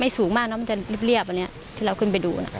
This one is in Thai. สูงมากเนอะมันจะเรียบอันนี้ที่เราขึ้นไปดูน่ะ